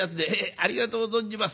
ありがとう存じます」。